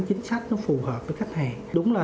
chính sách nó phù hợp với khách hàng đúng là